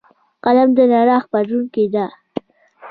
قلم د رڼا خپروونکی دی